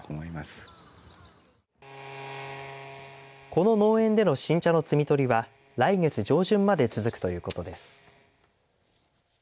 この農園での新茶の摘み取りは来月上旬まで続くということです。